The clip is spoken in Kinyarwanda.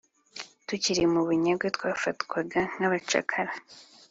Tukiri mu bunyage twafatwaga nk’abacakara